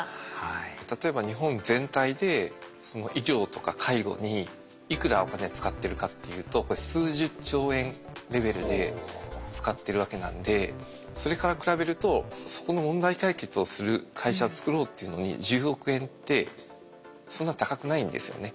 例えば日本全体で医療とか介護にいくらお金使ってるかっていうと数十兆円レベルで使ってるわけなんでそれから比べるとそこの問題解決をする会社を作ろうっていうのに１０億円ってそんな高くないんですよね。